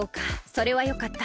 それはよかった。